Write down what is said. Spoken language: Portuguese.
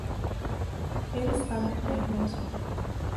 Ele está muito nervoso.